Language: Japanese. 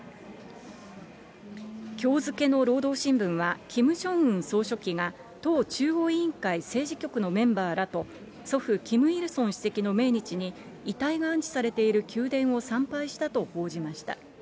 きょう付けの労働新聞はキム・ジョンウン総書記が、党中央委員会政治局らのメンバーらと祖父、キム・イルソン主席の命日に、遺体が安置されている宮殿を参拝したと報じました。